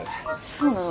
そうなの？